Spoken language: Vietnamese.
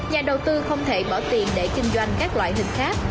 nhà đầu tư không thể bỏ tiền để kinh doanh các loại hình khác